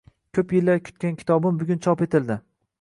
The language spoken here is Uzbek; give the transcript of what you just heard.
Ko’p yillar kutgan kitobim bugun chop etildi.